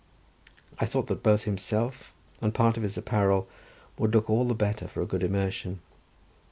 I thought that both himself and part of his apparel would look all the better for a good immersion.